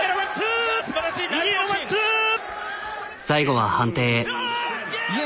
最後は判定へ。